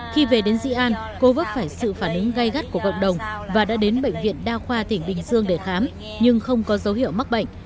khi về đến di an cô vấp phải sự phản ứng gây gắt của cộng đồng và đã đến bệnh viện đa khoa tỉnh bình dương để khám nhưng không có dấu hiệu mắc bệnh